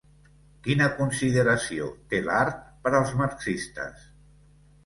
Quina consideració té l'art per als marxistes?